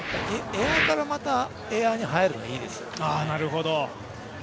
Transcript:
エアからまたエアに入るのいいですよね。